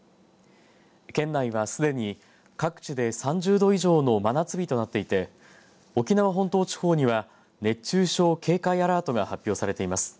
県内はすでに各地で３０度以上の真夏日となっていて沖縄本島地方には熱中症警戒アラートが発表されています。